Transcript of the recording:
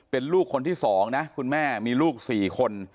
เป็นลูกคนที่๒นะคุณแม่มีลูก๔คน